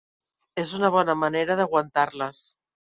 És una bona manera d'aguantar-les.